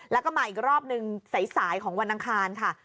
แล้วก็มาอีกรอบนึงสายของวันอังคารค่ะ